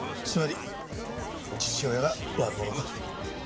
つまり父親が悪者か。